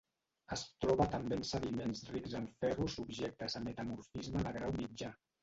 Es troba també en sediments rics en ferro subjectes a metamorfisme de grau mitjà.